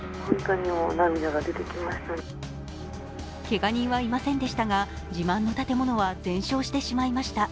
けが人はいませんでしたが自慢の建物は全焼してしまいました。